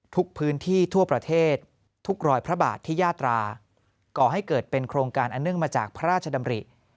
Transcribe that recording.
ทุกพื้นที่ทั่วประเทศทุกรอยพระบาทที่ยาตราก่อให้เกิดเป็นโครงการอันเนื่องมาจากพระราชดำริ